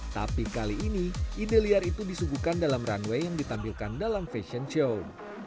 tapi kali ini ide liar itu disuguhkan dalam runway yang ditampilkan dalam fashion show